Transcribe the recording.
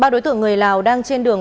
ba đối tượng người lào đang trên đường